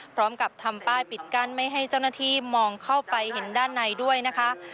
พร้อมกับทำป้ายปิดกั้นไม่ให้เจ้าหน้าที่มองเข้าไปเห็นด้านในด้วยนะคะ